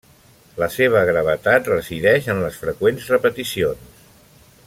La seva gravetat resideix en les freqüents repeticions.